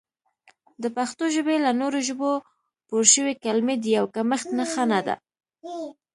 د پښتو ژبې له نورو ژبو پورشوي کلمې د یو کمښت نښه نه ده